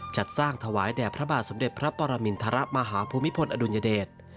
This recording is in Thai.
จัดสร้างถวายแด่พระบาทสมเด็จพระปรมินทรมาฮภูมิพลอดุลยเดช